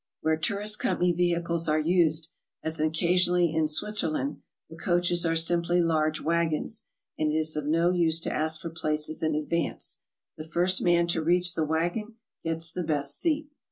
Where tourist company vehicles are used, as on the Geneva route to Chamonix, the coaches are simply large wagons, and it is of no use to ask for places in advance; the first man to reach the wagon gets the best seat.